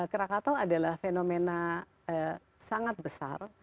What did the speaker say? krakatau adalah fenomena sangat besar